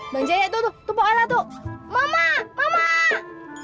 bangjaya tuh tuh mama mama